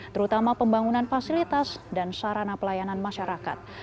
terutama pembangunan fasilitas dan sarana pelayanan masyarakat